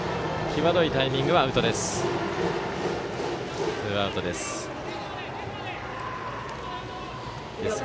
際どいタイミングはアウトです。